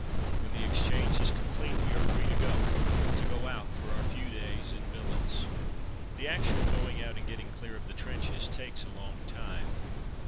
When the exchange is complete, we are free to go! to go out for our few days in billets! The actual going out and getting clear of the trenches takes a long time.